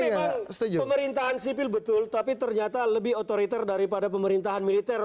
memang pemerintahan sipil betul tapi ternyata lebih otoriter daripada pemerintahan militer